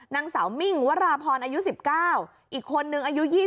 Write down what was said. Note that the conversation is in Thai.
นางสาวมิ่งวราพรอายุ๑๙อีกคนนึงอายุ๒๐